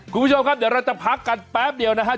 คุณผู้ชมครับเดี๋ยวเราจะพักกันแป๊บเดียวนะครับ